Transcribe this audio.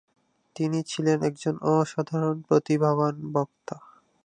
তিনি ছিলেন একজন অসাধারণ প্রতিভাবান বক্তা।